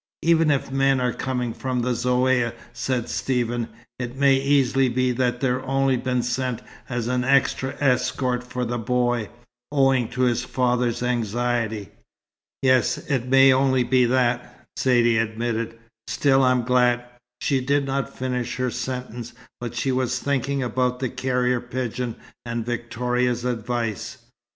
"Even if men are coming from the Zaouïa," said Stephen, "it may easily be that they've only been sent as an extra escort for the boy, owing to his father's anxiety." "Yes, it may be only that," Saidee admitted. "Still, I'm glad " She did not finish her sentence. But she was thinking about the carrier pigeon, and Victoria's advice.